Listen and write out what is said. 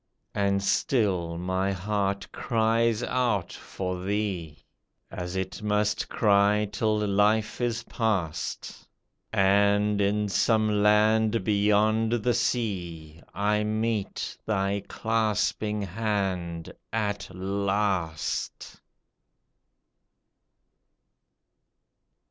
And still my heart cries out for thee. As it must cry till life is past. And in some land beyond the sea I meet thy clasping hand at last